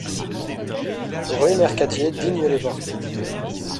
Rue Mercadier, Digne-les-Bains